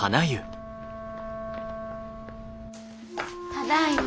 ただいま。